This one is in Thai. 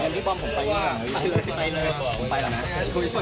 มีบอมผมไปด้วยหรือเปล่า